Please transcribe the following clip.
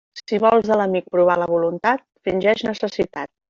Si vols de l'amic provar la voluntat, fingix necessitat.